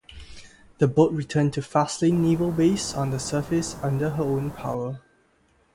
The boat returned to Faslane naval base on the surface under her own power.